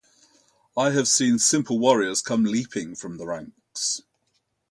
I have seen simple warriors come leaping from the ranks.